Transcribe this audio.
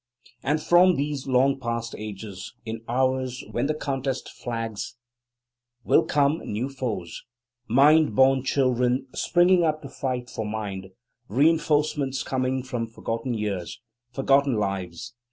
And from these long past ages, in hours when the contest flags, will come new foes, mind born children springing up to fight for mind, reinforcements coming from forgotten years, forgotten lives.